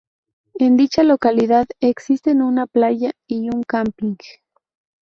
En dicha localidad existen una playa y un camping.